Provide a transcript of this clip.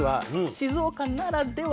静岡ならでは？